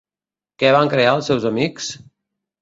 Què van crear els seus amics?